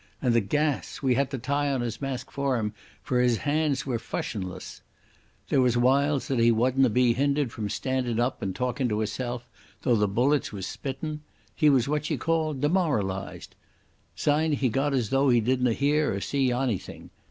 And the gas! We had to tie on his mask for him, for his hands were fushionless. There was whiles when he wadna be hindered from standin' up and talkin' to hisself, though the bullets was spittin'. He was what ye call demoralised.... Syne he got as though he didna hear or see onything.